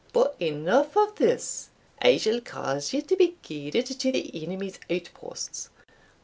But enough of this. I shall cause you to be guided to the enemy's outposts.